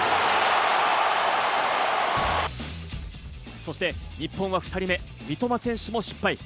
そして日本は２人目、三笘選手も失敗。